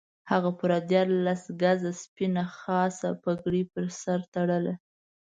هغه پوره دیارلس ګزه سپینه خاصه پګړۍ پر سر تړله.